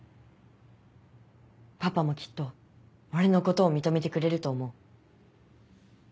パパもきっと俺のことを認めてくれると思う。